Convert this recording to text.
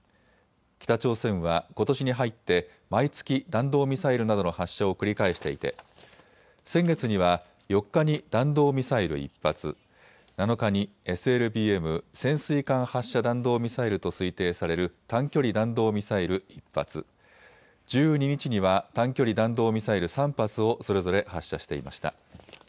北朝鮮はことしに入って毎月、弾道ミサイルなどの発射を繰り返していて先月には４日に弾道ミサイル１発、７日にＳＬＢＭ・潜水艦発射弾道ミサイルと推定される短距離弾道ミサイル１発、１２日には短距離弾道ミサイル３発をそれぞれ発射していました。